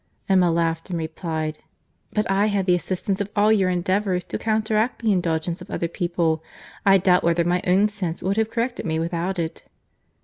Emma laughed, and replied: "But I had the assistance of all your endeavours to counteract the indulgence of other people. I doubt whether my own sense would have corrected me without it."